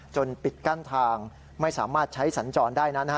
ปิดกั้นทางไม่สามารถใช้สัญจรได้นั้น